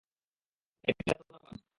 এটা তোমার বাবা না।